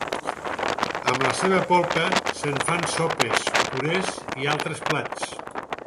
Amb la seva polpa se'n fan sopes, purés i altres plats.